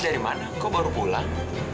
dari mana kau baru pulang